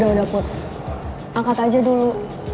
udah udah put angkat aja dulu